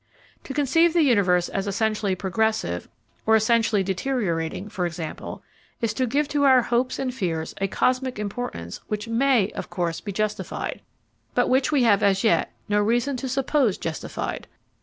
To conceive the universe as essentially progressive or essentially deteriorating, for example, is to give to our hopes and fears a cosmic importance which may, of course, be justified, but which we have as yet no reason to suppose justified.